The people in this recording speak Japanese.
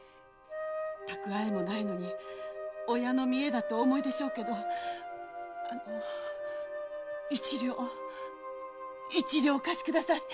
蓄えもないのに親の見栄だとお思いでしょうけどあの一両一両お貸しください！